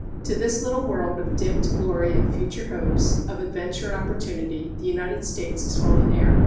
To this little world of dimmed glory and future hopes, of adventure and opportunity, the United States has fallen heir.